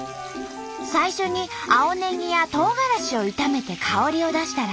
最初に青ネギやトウガラシを炒めて香りを出したら。